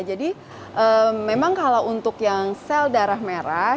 jadi memang kalau untuk yang sel darah merah